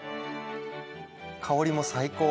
香りも最高！